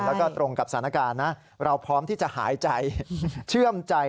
แล้วก็ตรงกับสถานการณ์นะเราพร้อมที่จะหายใจเชื่อมใจ